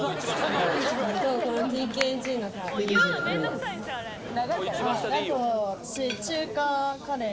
ＴＫＧのカレー。